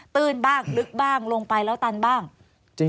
ตื้นบ้างลึกบ้างลงไปแล้วตันบ้าง